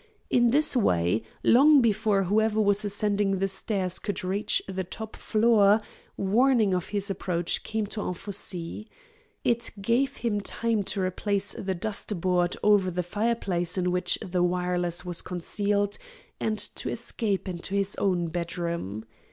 In this way, long before whoever was ascending the stairs could reach the top floor, warning of his approach came to Anfossi. It gave him time to replace the dust board over the fireplace in which the wireless was concealed and to escape into his own bedroom.